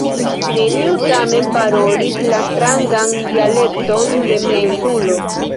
Neniu tamen parolis la strangan dialekton de mia Insulo.